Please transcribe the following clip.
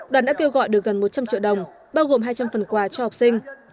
đoàn đã kêu gọi được gần một trăm linh triệu đồng bao gồm hai trăm linh phần quà cho học sinh